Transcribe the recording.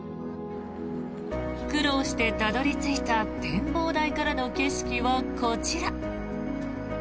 苦労してたどり着いた展望台からの景色はこちら。